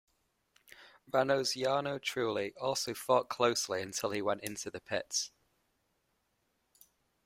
Renault's Jarno Trulli also fought closely until he went into the pits.